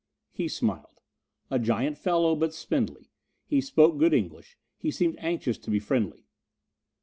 He smiled. A giant fellow, but spindly. He spoke good English. He seemed anxious to be friendly.